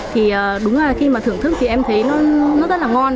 thì đúng là khi mà thưởng thức thì em thấy nó rất là ngon